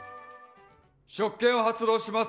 職権を発動します。